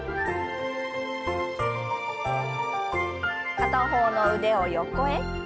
片方の腕を横へ。